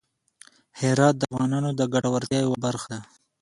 هرات د افغانانو د ګټورتیا یوه برخه ده.